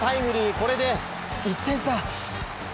これで１点差。